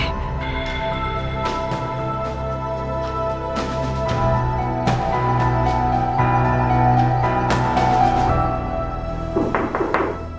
dia pasti bakal ngancam gue